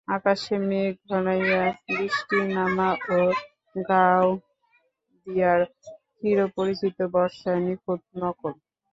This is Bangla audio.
আকাশে মেঘ ঘনাইয়া বৃষ্টি নামা ও গাওদিয়ার চিরপরিচিত বর্ষার নিখুঁত নকল।